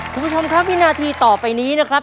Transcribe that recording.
คุณผู้ชมครับวินาทีต่อไปนี้นะครับ